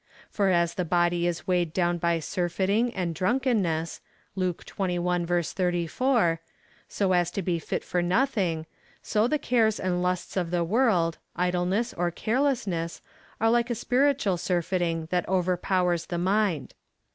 For as the body is weighed down by surfeiting ayid drunken ness, (Luke xxi. 34,) so as to be fit for nothing, so the cares and lusts of the world, idleness or carelessness, are like a spiritual surfeiting that overpowers the mind.